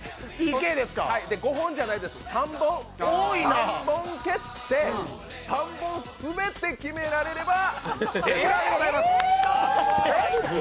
５本じゃないです、３本蹴って、３本全て決められればＡ代表でございます。